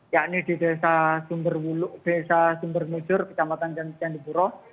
yakni di desa sumber mujur kecamatan candipuro